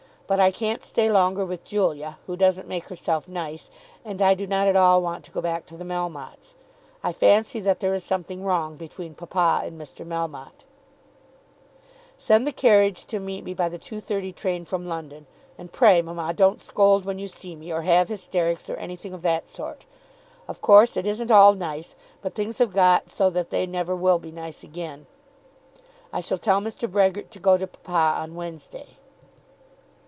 But I can't stay longer with Julia, who doesn't make herself nice, and I do not at all want to go back to the Melmottes. I fancy that there is something wrong between papa and Mr. Melmotte. Send the carriage to meet me by the 2.30 train from London, and pray, mamma, don't scold when you see me, or have hysterics, or anything of that sort. Of course it isn't all nice, but things have got so that they never will be nice again. I shall tell Mr. Brehgert to go to papa on Wednesday.